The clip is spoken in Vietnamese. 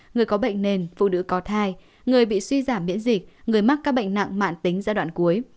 người có bệnh nền phụ nữ có thai người bị suy giảm biễn dịch người mắc ca bệnh nặng mạn tính giai đoạn cuối